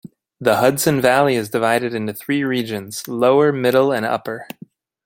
The Hudson Valley is divided into three regions: Lower, Middle, and Upper.